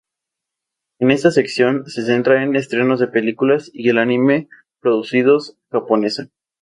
En esta sección se centra en estrenos de películas y el anime producidos-japonesa.